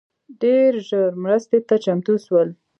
ډېر ژر مرستي ته چمتو سول